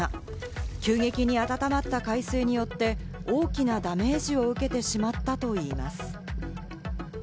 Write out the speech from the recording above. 急激に温まった海水によって、大きなダメージを受けてしまったといいます。